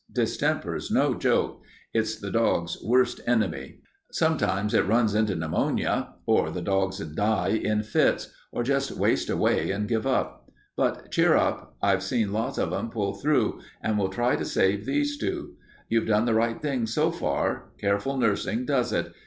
Distemper's no joke; it's the dog's worst enemy. Sometimes it runs into pneumonia, or the dogs die in fits, or just waste away and give up. But cheer up; I've seen lots of 'em pull through, and we'll try to save these two. You've done the right thing so far. Careful nursin' does it.